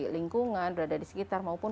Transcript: lingkungan berada di sekitar maupun